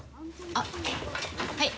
あっはい。